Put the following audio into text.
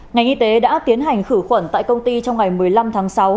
ngành y tế đã tiến hành khử khuẩn tại công ty trong ngày một mươi năm tháng sáu